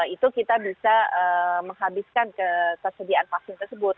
itu kita bisa menghabiskan ketersediaan vaksin tersebut